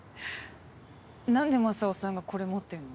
なんでマサオさんがこれ持ってんの？